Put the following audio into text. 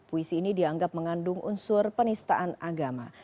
puisi ini dianggap mengandung unsur penistaan agama